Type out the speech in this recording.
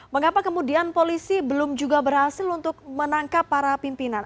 mengapa kemudian polisi belum juga berhasil untuk menangkap para pimpinan